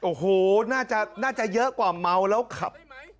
โอ้โหน่าจะเยอะกว่าเมาแล้วขับ